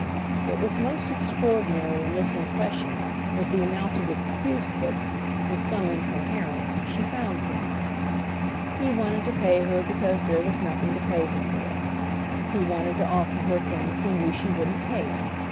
What was most extraordinary in this impression was the amount of excuse that, with some incoherence, she found for him. He wanted to pay her because there was nothing to pay her for. He wanted to offer her things he knew she wouldn't take.